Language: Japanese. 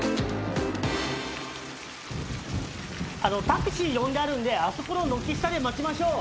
タクシー呼んであるんであそこの軒下で待ちましょう。